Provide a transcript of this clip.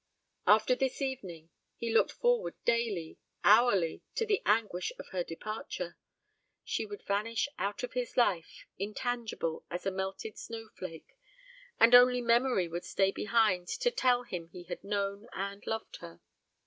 After this evening he looked forward daily, hourly, to the anguish of her departure. She would vanish out of his life, intangible as a melted snow flake, and only memory would stay behind to tell him he had known and loved her.